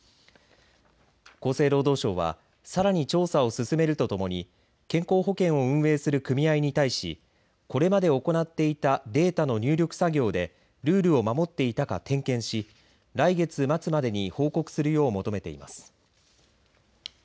厚生労働省はさらに調査を進めるとともに健康保険を運営する組合に対しこれまで行っていたデータの入力作業でルールを守っていたか点検し来月末までに報告するよう求めています。